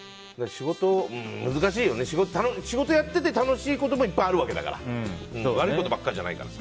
難しいよね、仕事やってて楽しいこともいっぱいあるわけだから。悪いことばっかりじゃないから。